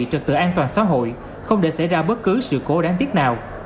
trực tự an toàn xã hội không để xảy ra bất cứ sự cố đáng tiếc nào